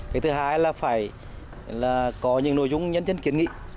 cái thứ hai là phải có những nội dung nhân dân kiến nghị